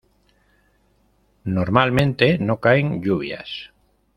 Normalmente no caen lluvias.